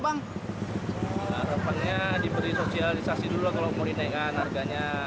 harapannya diberi sosialisasi dulu lah kalau mau dinaikkan harganya